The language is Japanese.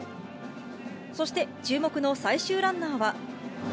そして注目の最終ランナーは。